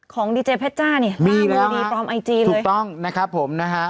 ของดีเจเพชรจ้านี่ล่ามือดีปลอมไอจีเลยมีแล้วครับถูกต้องนะครับผมนะฮะ